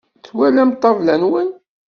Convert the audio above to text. Twalam ṭṭabla-nwen?